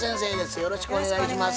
よろしくお願いします。